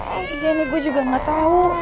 oh iya nih gue juga gak tau